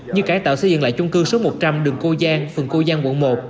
như cải tạo xây dựng lại chung cư số một trăm linh đường cô giang phường cô giang quận một